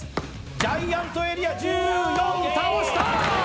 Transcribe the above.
ジャイアントエリア、１４、倒した。